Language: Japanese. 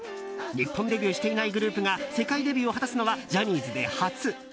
日本デビューしていないグループが世界デビューを果たすのはジャニーズで初。